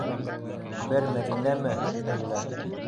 Бер Мәҙинәме әллә...